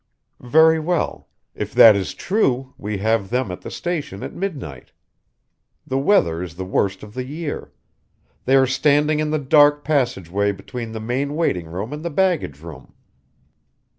"Very well. If that is true, we have them at the station at midnight. The weather is the worst of the year. They are standing in the dark passageway between the main waiting room and the baggage room.